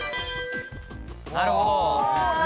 なるほど。